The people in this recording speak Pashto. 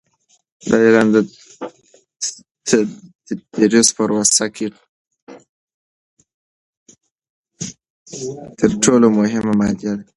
د علم د تدریس په پروسه کې تر ټولو مهمه مادیه ده.